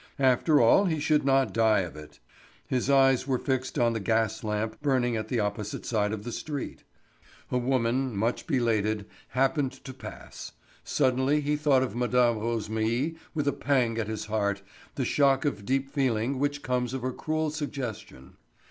After all he should not die of it. His eyes were fixed on the gas lamp burning at the opposite side of the street. A woman, much belated, happened to pass; suddenly he thought of Mme. Rosémilly with a pang at his heart, the shock of deep feeling which comes of a cruel suggestion.